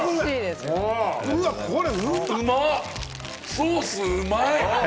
ソース、うまい！